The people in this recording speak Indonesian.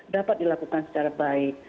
dapat dilakukan secara baik